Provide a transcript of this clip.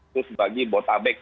khusus bagi botabek